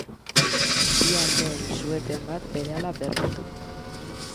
Bi aldeen su-eten bat berehala bermatu.